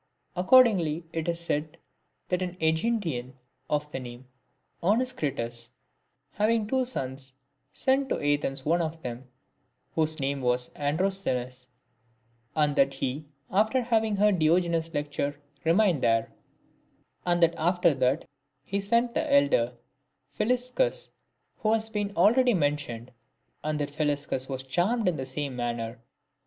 Accordingly, it is said that an ^Eginetan of the name of Onesicritus, having two sons, sent to Athens one of them, whose name was Androsthenes, and that he, after having heard Diogenes lecture, remained there ; and that after 246 LIVES OF EMINENT PHILOSOPHERS. that, he sent the elder, Philiscus, who has been already men tioned, and that Philiscus was charmed in the same manner.